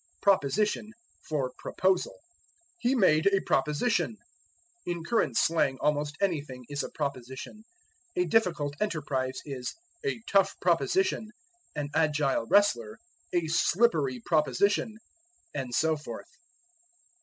Proposition for Proposal. "He made a proposition." In current slang almost anything is a proposition. A difficult enterprise is "a tough proposition," an agile wrestler, "a slippery proposition," and so forth.